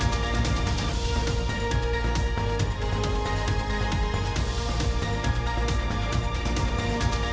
โปรดติดตามตอนต่อไป